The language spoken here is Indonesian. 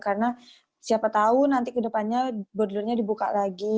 karena siapa tahu nanti kedepannya bodolnya dibuka lagi